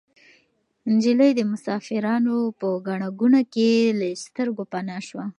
نجلۍ د مسافرانو په ګڼه ګوڼه کې له سترګو پناه شوه.